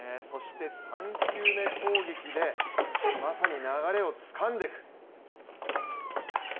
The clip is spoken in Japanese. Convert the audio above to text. ３球目攻撃でまさに流れをつかんでいく。